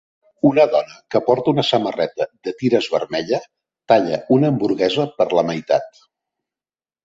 Una dona que porta una samarreta de tires vermella talla una hamburguesa per la meitat.